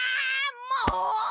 もう！